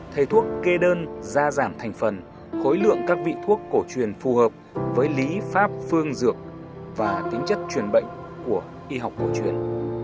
thầy thuốc kê đơn ra giảm thành phần khối lượng các vị thuốc cổ truyền phù hợp với lý pháp phương dược và tính chất truyền bệnh của y học cổ truyền